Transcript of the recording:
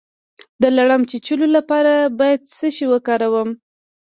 د لړم د چیچلو لپاره باید څه شی وکاروم؟